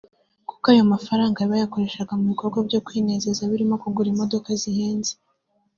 kuko ayo mafaranga bayakoreshaga mu bikorwa byo kwinezeza birimo kugura imodoka zihenze